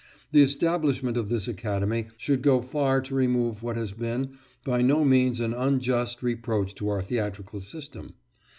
The establishment of this academy should go far to remove what has been by no means an unjust reproach to our theatrical system.